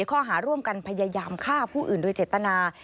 ข้อหาร่วมกันพยายามฆ่าผู้อื่นโดยเจตนา